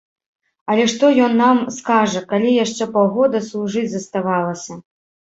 Але што ён нам скажа, калі яшчэ паўгода служыць заставалася.